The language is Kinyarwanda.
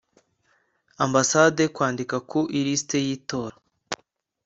ambasade kwandika ku ilisiti y itora